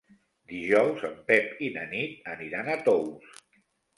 Dijous en Pep i na Nit aniran a Tous.